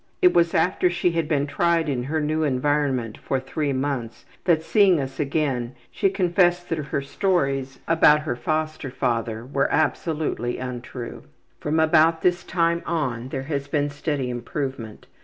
It was after she had been tried in her new environment for 3 months that, seeing us again, she confessed that her stories about her foster father were absolutely untrue. From about this time on there has been steady improvement.